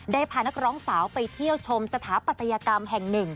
พานักร้องสาวไปเที่ยวชมสถาปัตยกรรมแห่งหนึ่ง